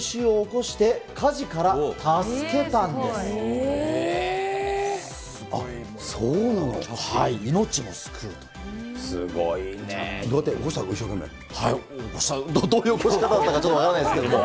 起こした、どういう起こし方だったかちょっと分からないですけども。